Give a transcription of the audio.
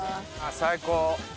最高。